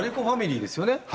ファミリーですよね？